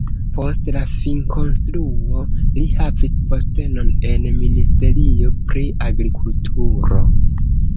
Post la finkonstruo li havis postenon en ministerio pri agrikulturo.